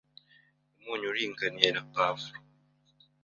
umunyu uringaniye na pavuro.